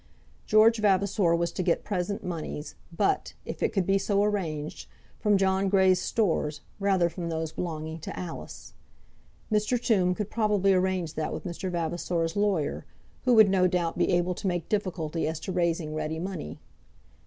George Vavasor was to get present moneys, but, if it could be so arranged from John Grey's stores rather than from those belonging to Alice. Mr. Tombe could probably arrange that with Mr. Vavasor's lawyer, who would no doubt be able to make difficulty as to raising ready money.